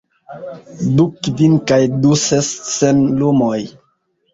Du kvin kaj du ses, sen lumoj.